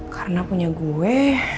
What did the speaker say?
karena punya gue